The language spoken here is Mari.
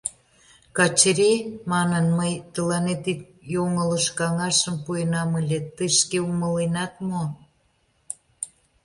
— Качыри, — манын, — мый тыланет ик йоҥылыш каҥашым пуэнам ыле, тый шке умыленат мо?